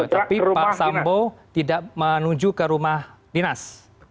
tapi pak sambo tidak menuju ke rumah dinas